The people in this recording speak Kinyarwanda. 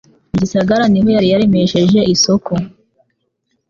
Mu gisagara niho yari yaremesheje isoko